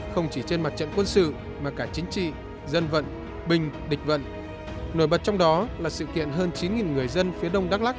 không chỉ trên mặt trận quân sự mà cả chính trị dân vận bình địch vận